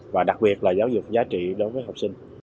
và đặc biệt là giáo dục giá trị đối với học sinh